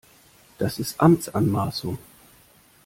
Das ist Amtsanmaßung!